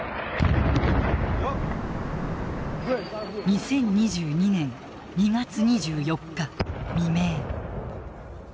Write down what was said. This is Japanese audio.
２０２２年２月２４日未明。